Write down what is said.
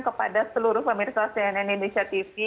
kepada seluruh pemirsa cnn indonesia tv